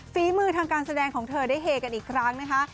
ฝีมือทางการแสดงของเธอได้เฮกันอีกครั้งนะคะ